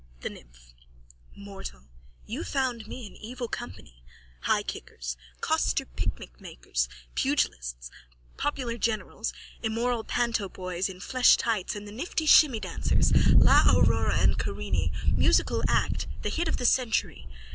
THE NYMPH: Mortal! You found me in evil company, highkickers, coster picnicmakers, pugilists, popular generals, immoral panto boys in fleshtights and the nifty shimmy dancers, La Aurora and Karini, musical act, the hit of the century.